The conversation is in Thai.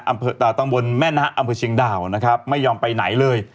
ตำบลแม่นะอำเภอเชียงดาวนะครับไม่ยอมไปไหนเลย